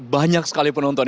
banyak sekali penonton